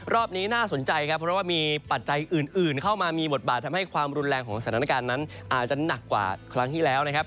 รอบนี้น่าสนใจครับเพราะว่ามีปัจจัยอื่นเข้ามามีบทบาททำให้ความรุนแรงของสถานการณ์นั้นอาจจะหนักกว่าครั้งที่แล้วนะครับ